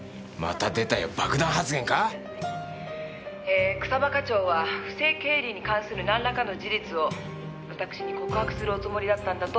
「え草葉課長は不正経理に関する何らかの事実を私に告白するおつもりだったんだと思います」